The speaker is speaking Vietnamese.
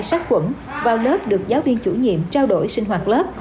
sát quẩn vào lớp được giáo viên chủ nhiệm trao đổi sinh hoạt lớp